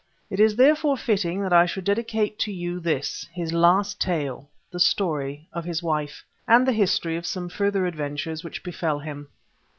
It is therefore fitting that I should dedicate to you this, his last tale—the story of his wife, and the history of some further adventures which befell him.